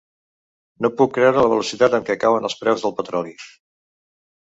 No puc creure la velocitat amb què cauen els preus del petroli.